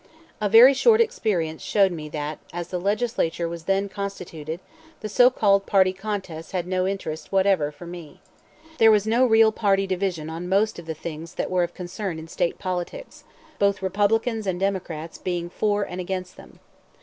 A very short experience showed me that, as the Legislature was then constituted, the so called party contests had no interest whatever for me. There was no real party division on most of the things that were of concern in State politics, both Republicans and Democrats being for and against them.